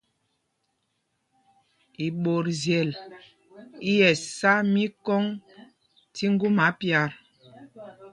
Iɓɔtzyel í ɛsá mikɔŋ tí ŋguma pyat.